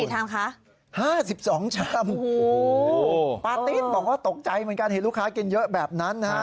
ชามคะ๕๒ชามปาติ๊ดบอกว่าตกใจเหมือนกันเห็นลูกค้ากินเยอะแบบนั้นนะฮะ